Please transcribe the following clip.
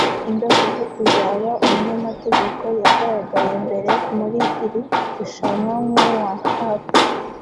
indoto zo kuzaba umunyamategeko (lawyer) yagaragaye mbere muri iri rushanwa nk’uwahabwa